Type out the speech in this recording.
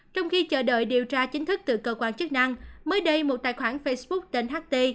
trong khi chờ đợi điều tra chính thức từ cơ quan chức năng mới đây một tài khoản facebook tên ht